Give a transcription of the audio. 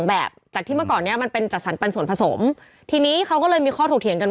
อ่าอ่าอ่าอ่าอ่าอ่าอ่าอ่าอ่า